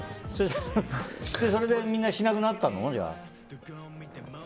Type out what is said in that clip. それでみんなしなくなったの？